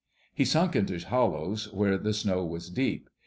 He sunk into hollows where the snow was deep.